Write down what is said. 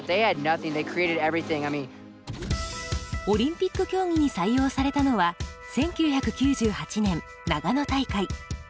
オリンピック競技に採用されたのは１９９８年長野大会。